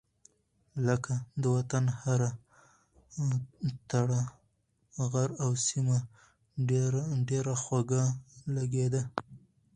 لکه : د وطن هره تړه غر او سيمه ډېره خوږه لګېده.